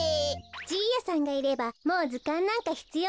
じいやさんがいればもうずかんなんかひつようないわね。